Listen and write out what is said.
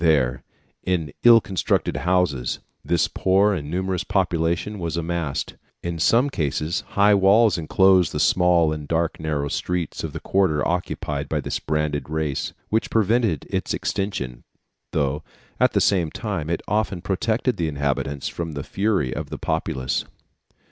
There, in ill constructed houses, this poor and numerous population was amassed; in some cases high walls enclosed the small and dark narrow streets of the quarter occupied by this branded race, which prevented its extension, though, at the same time, it often protected the inhabitants from the fury of the populace."